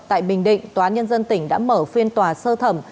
tại bình định tòa án nhân dân tỉnh đã mở phiên tòa sơ thẩm